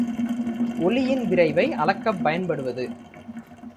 ஒளியின் விரைவை அளக்கப் பயன்படுவது.